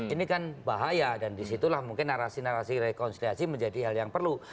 ini kan bahaya dan disitulah mungkin narasi narasi rekonsiliasi menjadi hal yang perlu